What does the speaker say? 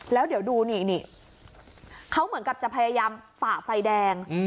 แล้วเดี๋ยวดูนี่เขาเหมือนกับจะพยายามฝ่าไฟแดง